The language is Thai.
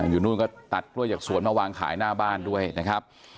อยู่นู่นก็ตัดกล้วยจากสวนมาวางขายหน้าบ้านด้วยนะครับ